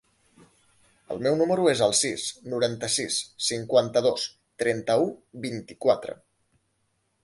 El meu número es el sis, noranta-sis, cinquanta-dos, trenta-u, vint-i-quatre.